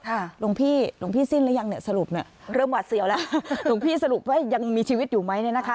หลวงพี่หลวงพี่สิ้นหรือยังเนี่ยสรุปเนี่ยเริ่มหวาดเสียวแล้วหลวงพี่สรุปว่ายังมีชีวิตอยู่ไหมเนี่ยนะคะ